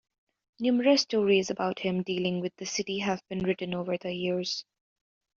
Numerous stories about him dealing with the city have been written over the years.